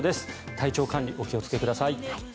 体調管理、お気をつけください。